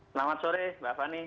selamat sore mbak fani